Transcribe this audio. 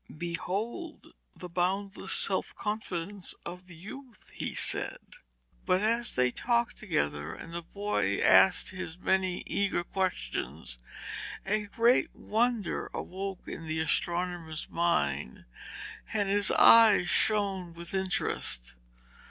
'Behold the boundless self confidence of youth!' he said. But as they talked together, and the boy asked his many eager questions, a great wonder awoke in the astronomer's mind, and his eyes shone with interest.